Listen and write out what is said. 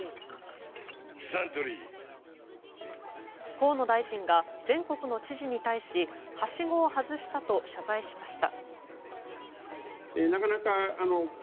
河野大臣が全国の知事に対しはしごを外したと謝罪しました。